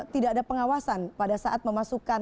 tidak ada pengawasan pada saat memasukkan